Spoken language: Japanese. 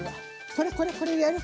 これこれこれでやる？